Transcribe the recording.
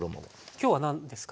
今日は何ですか？